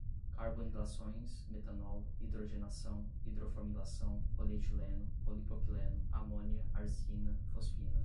carbonilações, metanol, hidrogenação, hidroformilação, polietileno, polipropileno, amônia, arsina, fosfina